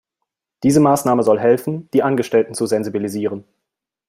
Diese Maßnahme soll helfen, die Angestellten zu sensibilisieren.